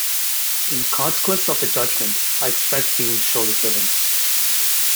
In consequence of the judgment I expect being shortly given.